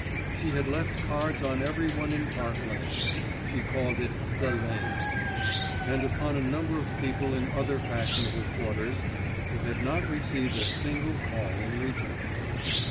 She had left cards on everyone in Park Lane, (she called it "The Lane"), and upon a number of people in other fashionable quarters, but had not received a single call in return.